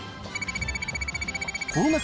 コロナ禍